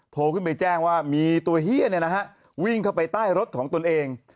โทรขึ้นไปแจ้งว่ามีตัวเฮียวิ่งเข้าไปใต้รถของตนเอง